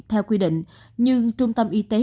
theo quy định nhưng trung tâm y tế